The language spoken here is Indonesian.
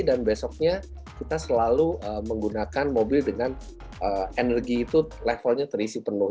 dan besoknya kita selalu menggunakan mobil dengan energi itu levelnya terisi penuh